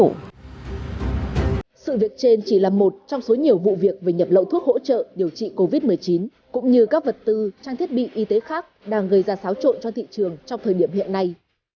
sự việc trên chỉ là một trong số nhiều vụ việc về nhập lậu thuốc hỗ trợ điều trị covid một mươi chín cũng như các vật tư trang thiết bị y tế khác đang gây ra xáo trộn cho thị trường trong thời điểm hiện nay